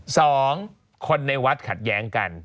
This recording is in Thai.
สองคนในวัดขัดแย้งกัน